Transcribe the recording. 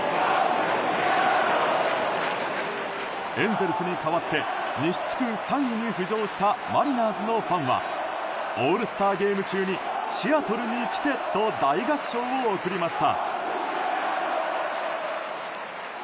エンゼルスに代わって西地区３位に浮上したマリナーズのファンはオールスターゲーム中に「シアトルに来て」と大合唱を送りました。